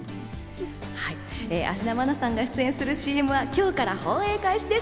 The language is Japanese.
芦田愛菜さんが出演するＣＭは今日から放映開始です。